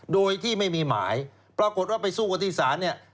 โดยที่ไม่มีหมายปรากฏว่าไปสู้กฏศาสตร์